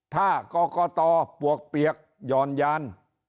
ถ้ากรกตปวกเปียกหย่อนยาน